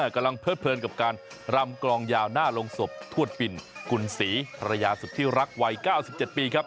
กำลังเลิดเพลินกับการรำกลองยาวหน้าลงศพทวดปิ่นกุญศรีภรรยาสุดที่รักวัย๙๗ปีครับ